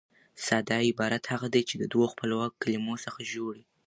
ساده عبارت هغه دئ، چي د دوو خپلواکو کلیمو څخه جوړ يي.